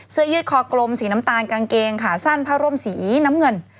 ยืดคอกลมสีน้ำตาลกางเกงขาสั้นผ้าร่มสีน้ำเงิน